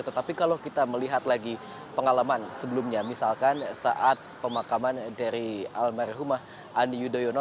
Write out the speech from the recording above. tetapi kalau kita melihat lagi pengalaman sebelumnya misalkan saat pemakaman dari almarhumah andi yudhoyono